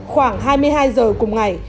khoảng hai mươi hai h cùng ngày